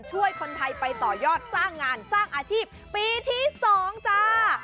ช่วยคนไทยไปต่อยอดสร้างงานสร้างอาชีพปีที่๒จ้า